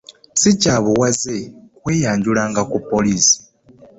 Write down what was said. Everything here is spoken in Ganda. Si kya buwaze kweyanjulanga ku poliisi.